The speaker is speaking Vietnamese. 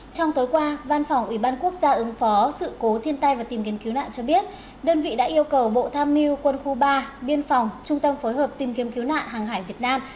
trong tối qua văn phòng ủy ban quốc gia ứng phó sự cố thiên tai và tìm kiếm cứu nạn cho biết đơn vị đã yêu cầu bộ tham mưu quân khu ba biên phòng trung tâm phối hợp tìm kiếm cứu nạn hàng hải việt nam